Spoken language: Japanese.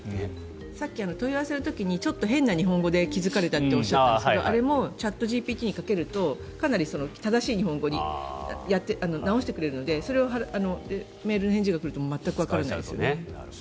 さっき問い合わせの時にちょっと変な日本語で気付かれたとおっしゃったんですけどあれもチャットＧＰＴにかけるとかなり正しい日本語に直してくれるのでメールの返事が来ると全くわからないですよね。